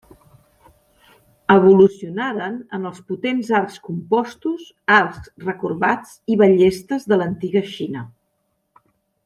Evolucionaren en els potents arcs compostos, arcs recorbats i ballestes de l'antiga Xina.